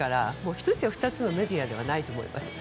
１つや２つのメディアだけではないと思います。